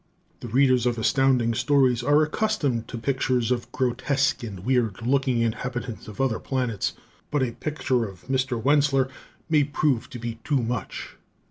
The readers of Astounding Stories are accustomed to pictures of grotesque and weird looking inhabitants of other planets, but a picture of Mr. Wentzler may prove to be too much.